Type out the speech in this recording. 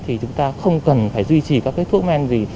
thì chúng ta không cần phải duy trì các cái thuốc men gì